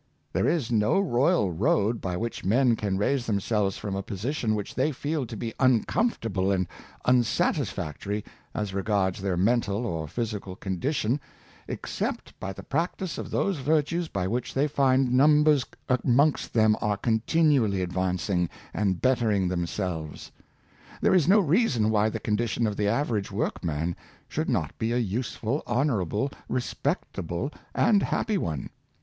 There is no royal 878 Mo7iey — Its Use and Abuse, road by which men can raise themselves from a position which they feel to be uncomfortable and unsatisfactory, as regards their mental or physical condition, except by the practice of those virtues by which they find numbers amongst them are continually advancing and bettering themselves. There is no reason wh}^ the con dition of the average workman should not be a useful, honorable, respectable, and happy one.